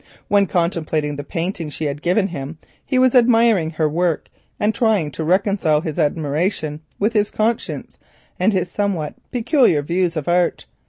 When contemplating the painting that she had given him, he was admiring her work and trying to reconcile the admiration with his conscience and his somewhat peculiar views of art.